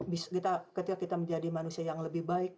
bisa kita ketika kita menjadi manusia yang lebih baik